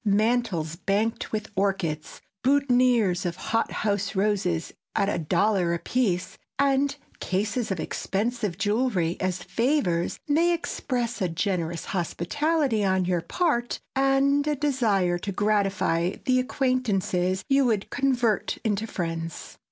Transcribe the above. Mantels banked with orchids, boutonnières of hothouse roses at a dollar apiece, and cases of expensive jewelry as favors, may express a generous hospitality on your part and a desire to gratify the acquaintances you would convert into friends.